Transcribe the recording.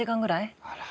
あら。